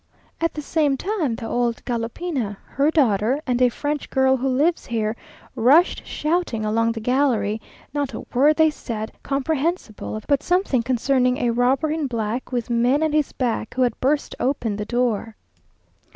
At the same time the old galopina, her daughter, and a French girl who lives here, rushed shouting along the gallery; not a word they said comprehensible, but something concerning "a robber in black, with men at his back, who had burst open the door."